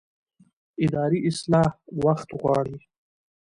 اداري اصلاح وخت غواړي